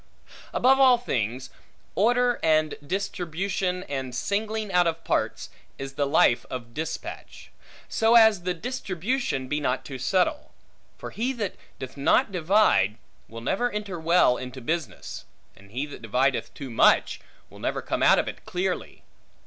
Above all things, order, and distribution, and singling out of parts, is the life of dispatch; so as the distribution be not too subtle: for he that doth not divide, will never enter well into business; and he that divideth too much, will never come out of it clearly.